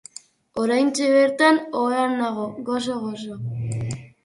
Oraintxe bertan ohean nago gozo-gozo.